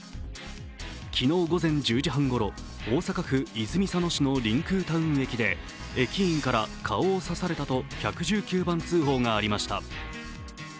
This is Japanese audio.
昨日午前１０時半ごろ、大阪府泉佐野市のりんくうタウン駅で駅員から顔を刺されたと１１９番通報がありました。